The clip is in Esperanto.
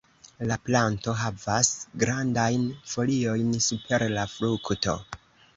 La planto havas grandajn foliojn super la frukto.